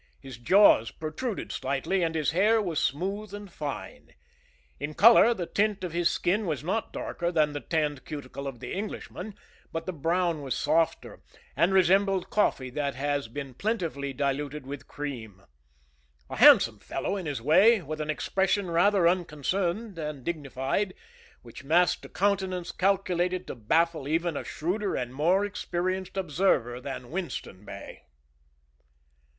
His jaws protruded slightly and his hair was smooth and fine. In color the tint of his skin was not darker than the tanned cuticle of the Englishman, but the brown was softer, and resembled coffee that has been plentifully diluted with cream. A handsome fellow in his way, with an expression rather unconcerned than dignified, which masked a countenance calculated to baffle even a shrewder and more experienced observer than Winston Bey.